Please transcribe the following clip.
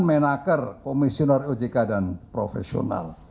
menakar komisioner ojk dan profesional